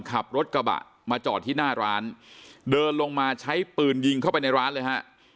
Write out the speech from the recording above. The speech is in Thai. ขับรถกระบะมาจอดที่หน้าร้านเดินลงมาใช้ปืนยิงเข้าไปในร้านเลยฮะ